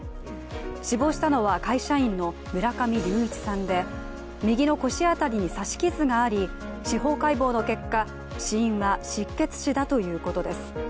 死亡したのは会社員の村上隆一さんで右の腰辺りに刺し傷があり司法解剖の結果死因は失血死だということです。